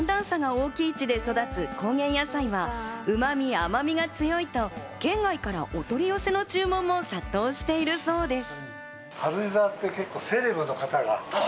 昼夜の寒暖差が大きい地で育つ高原野菜はうまみ、甘みが強いと県外からお取り寄せの注文も殺到しているそうです。